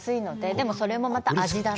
でも、それもまた味だなと。